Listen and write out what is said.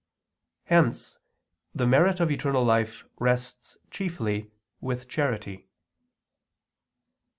Hence the merit of eternal life rests chiefly with charity.